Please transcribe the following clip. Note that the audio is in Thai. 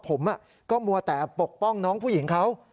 ผมก็มัวแต่ปกป้องน้องผู้หญิงเขา